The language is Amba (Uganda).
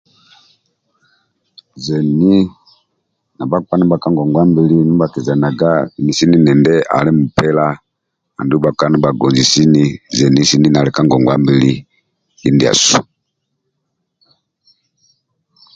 Zeni ndia bhakpa ndibha kagogwabili ndiasu ndia bhakizenaga ali mupila sini sini ndibha ka ngongwa mbili kindiasu